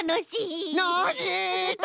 ノージーっと。